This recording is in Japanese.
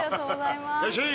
いらっしゃい！